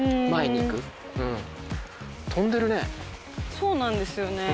そうなんですよね。